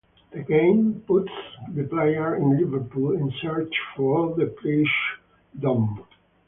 The game puts the player in Liverpool in search for the Pleasuredome.